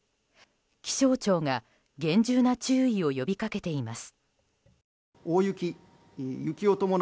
気象庁が、厳重な注意を呼びかけています。